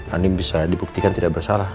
andi bisa dibuktikan tidak bersalah